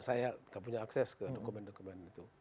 saya tidak punya akses ke dokumen dokumen itu